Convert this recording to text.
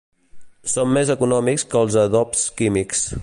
Són més econòmics que els adobs químics.